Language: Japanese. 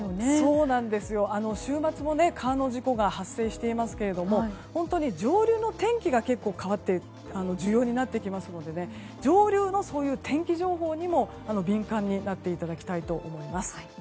そうなんですよ、週末も川の事故が発生していますが本当に、上流の天気が変わって重要になってきますので上流の天気情報にも敏感になっていただきたいと思います。